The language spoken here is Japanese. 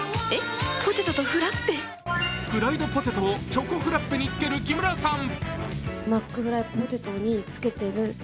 フライドポテトをチョコフラッペにつける木村さん。